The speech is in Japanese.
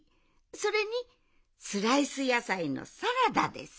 それにスライスやさいのサラダです。